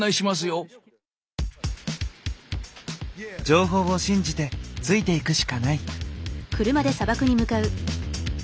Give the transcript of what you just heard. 情報を信じてついていくしかない。